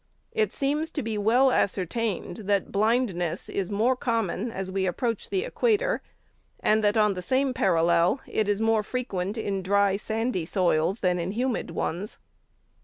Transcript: It seems to be well ascertained, that blindness is more com mon as we approach the equator ; and that on the same parallel it is more frequent in dry, sandy soils, than in humid ones.